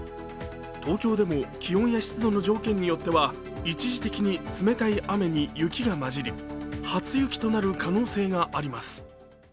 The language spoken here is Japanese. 東京でも気温や湿度の条件によっては、一時的に冷たい雨に雪が交じり初雪となる可能性があります。